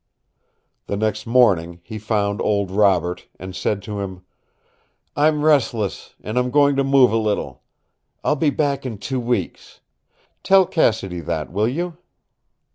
The next morning he found old Robert and said to him: "I'm restless, and I'm going to move a little. I'll be back in two weeks. Tell Cassidy that, will you?"